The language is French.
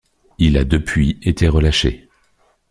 Il a depuis été relâché.